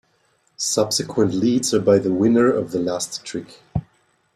Subsequent leads are by the winner of the last trick.